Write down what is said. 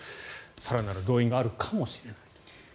更なる動員があるかもしれない。